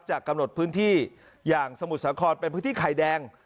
กำหนดพื้นที่อย่างสมุทรสาครเป็นพื้นที่ไข่แดง